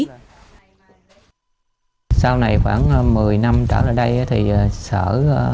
tuy tiết kiệm được chi phí đầu tư nhưng muối nền đất thường có lẫn tạp chất lượng sản xuất muối trải bạc